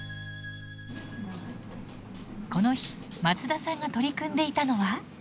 この日松田さんが取り組んでいたのは。